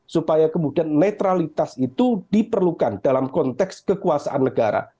supaya kemudian netralitas itu diperlukan dalam konteks kekuasaan negara